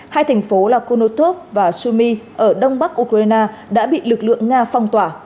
hai thành phố là konotov và sumi ở đông bắc ukraine đã bị lực lượng nga phong tỏa